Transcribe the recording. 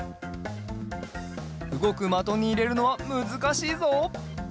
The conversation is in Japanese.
うごくまとにいれるのはむずかしいぞ。